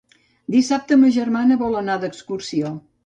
Dissabte ma germana vol anar d'excursió.